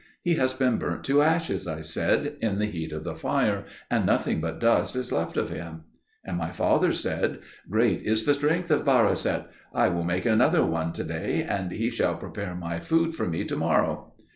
"He has been burnt to ashes," I said, "in the heat of the fire, and nothing but dust is left of him." And my father said, "Great is the strength of Barisat! I will make another one to day, and he shall prepare my food for me to morrow."